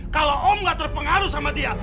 kalau om nggak terpengaruh sama dia